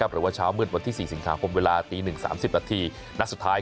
หรือว่าเช้ามืดวันที่๔สิงหาคมเวลาตี๑๓๐นาทีนัดสุดท้าย